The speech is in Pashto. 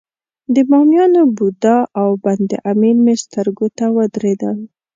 د بامیانو بودا او بند امیر مې سترګو ته ودرېدل.